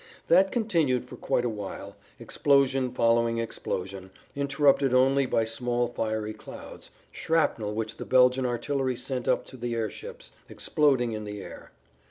That continued for quite a while, explosion followed explosion, interrupted only by small fiery clouds, shrapnel which the Belgian artillery sent up to the airships, exploding in the air.